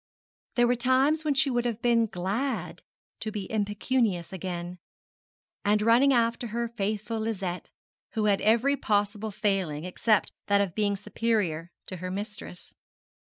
There were times when she would have been glad to be impecunious again, and running after her faithful Lizette, who had every possible failing except that of being superior to her mistress.